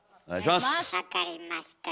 分かりました。